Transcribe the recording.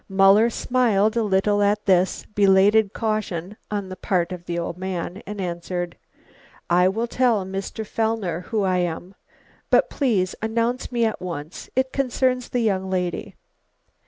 Muller smiled a little at this belated caution on the part of the old man, and answered. "I will tell Mr. Fellner who I am. But please announce me at once. It concerns the young lady."